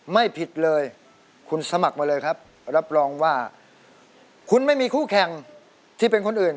ไม่ผิดเลยคุณสมัครมาเลยครับรับรองว่าคุณไม่มีคู่แข่งที่เป็นคนอื่น